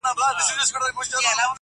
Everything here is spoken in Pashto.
موږ یو چي د دې په سر کي شور وینو.!